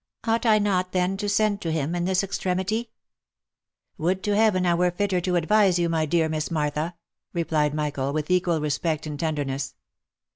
Ought I not then to send to him in this extremity ?"" Would to Heaven I were fitter to advise you, my dear Miss Martha !" replied Michael, with equal respect and tenderness.